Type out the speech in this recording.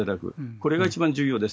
これが一番重要です。